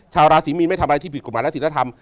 ชาวราศีมีนไม่ทำอะไรที่ผิดกฎหมายและศิลธรรม